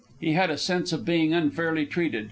He had a sense of being unfairly treated.